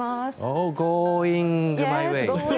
おーゴーイング・マイ・ウェイ。